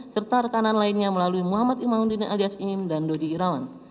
serta rekanan lainnya melalui muhammad imaudin alias im dan dodi irawan